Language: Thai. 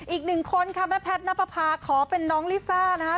อีกหนึ่งคนค่ะแม่แพทย์นับประพาขอเป็นน้องลิซ่านะคะ